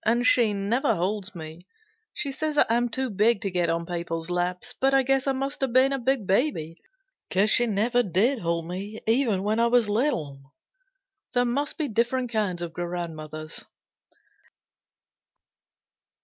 And she never holds me: she says I am too big to get on people's laps. But I guess I must have been a big baby because she never did hold me even when I was little. There must be different kinds of grandmothers."